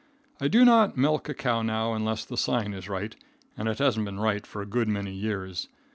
I do not milk a cow now unless the sign is right, and it hasn't been right for a good many years.